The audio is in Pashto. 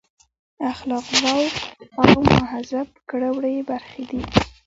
اخلاق ذوق او مهذب کړه وړه یې برخې دي.